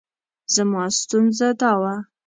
زما ستونزه دا وه.